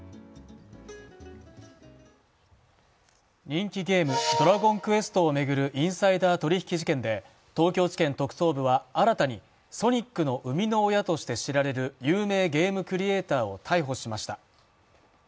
人気ゲーム「ドラゴンクエスト」を巡るインサイダー取引事件で、東京地検特捜部は新たにソニックの生みの親として知られる有名ゲームクリエーターを逮捕しました。